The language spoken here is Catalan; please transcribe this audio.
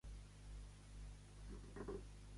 Per què Axiotea va anar a Atenes?